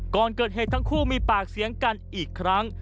ก่อนเกิดเหตุทั้งคู่มีปากเสียงกันอีกครั้ง